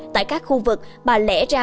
tại các khu vực mà lẽ ra